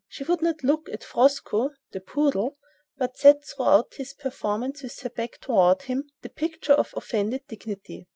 She would not look at "Fosco," the poodle, but sat throughout his performance with her back toward him, the picture of offended dignity.